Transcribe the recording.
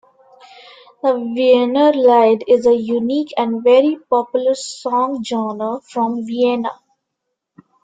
The Wienerlied is a unique and very popular song genre from Vienna.